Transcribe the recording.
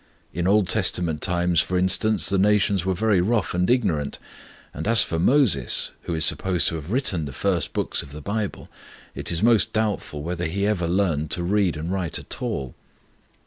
'In Old Testament times, for instance, the nations were very rough and ignorant; as for Moses who is supposed to have written the first books of the Bible it is most doubtful whether he ever learned to read and write at all.'